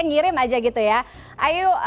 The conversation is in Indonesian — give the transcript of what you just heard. ngirim aja gitu ya ayo